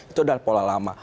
itu adalah pola lama